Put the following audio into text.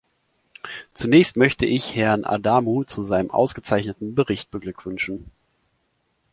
Zunächst möchte ich Herrn Adamou zu seinem ausgezeichneten Bericht beglückwünschen.